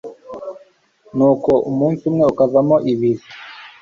nuko umunsi umwe ukavamo ibiri